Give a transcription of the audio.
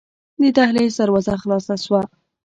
د دهلېز دروازه خلاصه شوه.